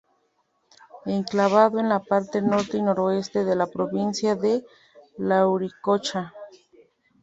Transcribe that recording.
Enclavado en la parte norte y noroeste de la provincia de Lauricocha.